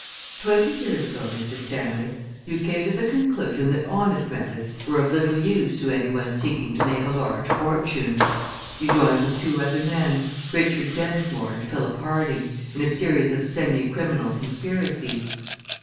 "Twenty years ago, Mr. Stanley, you came to the conclusion that honest methods were of little use to any one seeking to make a large fortune. You joined with two other men, Richard Densmore and Philip Harding, in a series of semicriminal conspiracies.